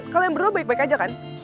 terus kalian berdua baik baik aja kan